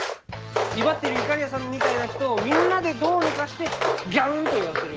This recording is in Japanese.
威張っているいかりやさんみたいな人をみんなでどうにかしてぎゃふんといわせる。